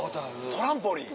トランポリン！